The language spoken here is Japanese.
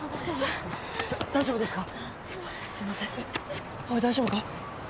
葵大丈夫か？